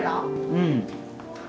うん。